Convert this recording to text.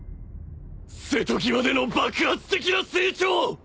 瀬戸際での爆発的な成長！